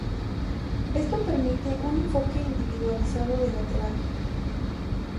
Esto permite un enfoque individualizado de la terapia.